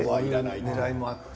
ねらいもあって。